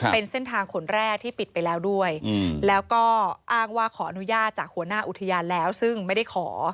เป็นเส้นทางขนแรกที่ปิดไปแล้วด้วยแล้วก็อ้างว่าขออนุญาตจากหัวหน้าอุทยานแล้วซึ่งไม่ได้ขอ